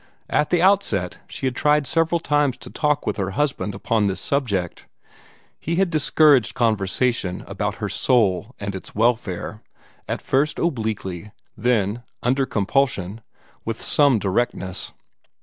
At the outset she had tried several times to talk with her husband upon this subject. He had discouraged conversation about her soul and its welfare, at first obliquely, then, under compulsion, with some directness.